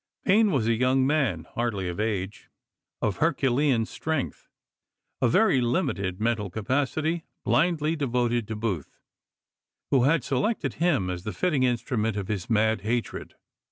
Payne was a young man, hardly of age, of her culean strength, of very limited mental capacity, blindly devoted to Booth, who had selected him as the fitting instrument of his mad hatred.